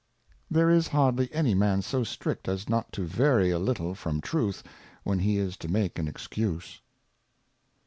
There is hardly any Man so strict as not to vary a little from Truth when he is to make an Excuse.